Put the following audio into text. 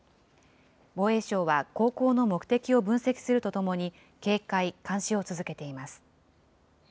防衛省は航行の目的を分析するとともに、警戒・監視を続けています。